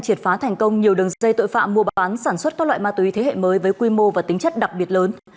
triệt phá thành công nhiều đường dây tội phạm mua bán sản xuất các loại ma túy thế hệ mới với quy mô và tính chất đặc biệt lớn